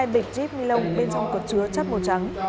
hai bịch jeep nguyên lông bên trong cột chứa chất màu trắng